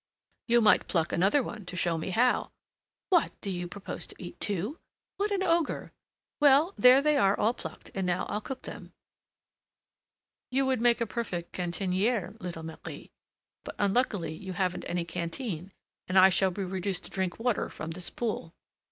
"You might pluck another one to show me how!" "What! do you propose to eat two? What an ogre! Well, there they are all plucked, and now I'll cook them." "You would make a perfect cantinière, little Marie; but unluckily you haven't any canteen, and I shall be reduced to drink water from this pool."